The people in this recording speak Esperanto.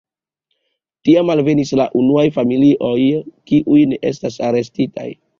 Tiam alvenis la unuaj familioj, kiuj ne estis arestitaj.